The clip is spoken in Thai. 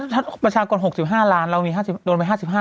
ถ้าประชากร๖๕ล้านเราโดนไป๕๕ล้าน